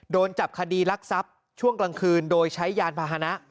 โดนจับคดีรักทรัพย์ช่วงกลางคืนโดยใช้ยานพาหนะ